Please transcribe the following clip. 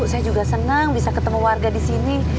saya juga senang bisa ketemu warga di sini